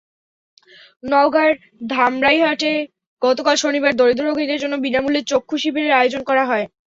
নওগাঁর ধামইরহাটে গতকাল শনিবার দরিদ্র রোগীদের জন্য বিনা মূল্যে চক্ষুশিবিরের আয়োজন করা হয়।